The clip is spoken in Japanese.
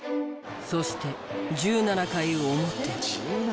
そして１７回表。